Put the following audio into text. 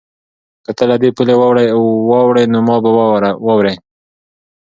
که ته له دې پولې واوړې نو ما به واورې؟